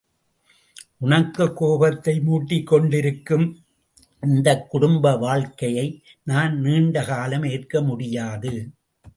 உனக்குக் கோபத்தை மூட்டிக் கொண்டிருக்கும் இந்தக் குடும்ப வாழ்க்கையை, நான் நீண்ட காலம் ஏற்க முடியாது.